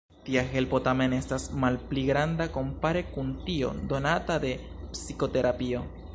Tia helpo tamen estas malpli granda kompare kun tio donata de psikoterapio.